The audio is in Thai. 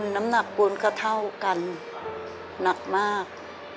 น้ำหนักปูนก็เท่ากันหนักมาก